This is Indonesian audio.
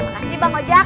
makasih bang ojak